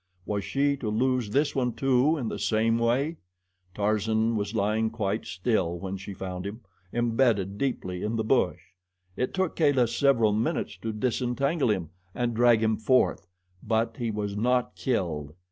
Was she to lose this one too in the same way? Tarzan was lying quite still when she found him, embedded deeply in the bush. It took Kala several minutes to disentangle him and drag him forth; but he was not killed.